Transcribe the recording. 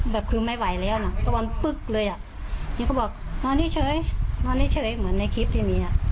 แบบคือไม่ไหวแล้วนะตะวันปึ๊กเลยอ่ะนี่เขาบอกนอนเฉยนอนเฉยเหมือนในคลิปที่มีอ่ะ